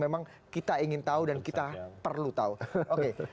memang kita ingin tahu dan kita perlu tahu oke